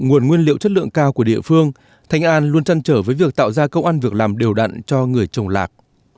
nguồn nguyên liệu chất lượng cao của địa phương thanh an luôn chăn trở với việc tạo ra công an việc làm đều đặn cho người trồng lạc